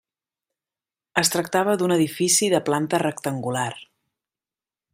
Es tractava d'un edifici de planta rectangular.